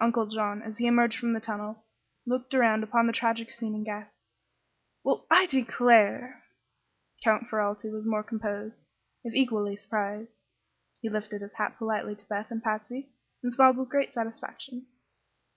Uncle John, as he emerged from the tunnel, looked around upon the tragic scene and gasped: "Well, I declare!" Count Ferralti was more composed, if equally surprised. He lifted his hat politely to Beth and Patsy, and smiled with great satisfaction.